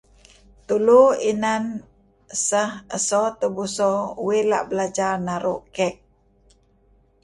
Tulu inan seh eso tebuso uih la' belajar naru' kek.